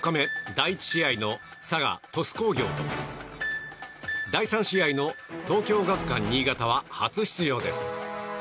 第１試合の佐賀・鳥栖工業と第３試合の東京学館新潟は初出場です。